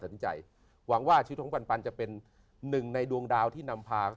สินใจหวังว่าชีวิตของปันปันจะเป็นหนึ่งในดวงดาวที่นำพา